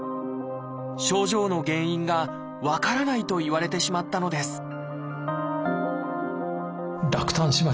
「症状の原因が分からない」と言われてしまったのです